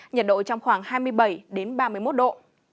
nhiệt độ trong khoảng hai mươi bảy ba mươi một độ